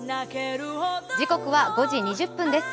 時刻は５時２０分です。